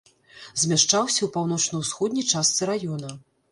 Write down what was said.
Змяшчаўся ў паўночна-ўсходняй частцы раёна.